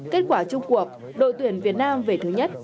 kết quả chung cuộc đội tuyển việt nam về thứ nhất